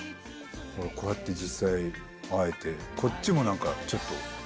こうやって実際会えてこっちもちょっと。